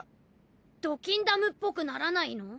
ドキンダムっぽくならないの？